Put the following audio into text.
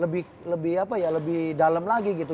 lebih lebih apa ya lebih dalam lagi gitu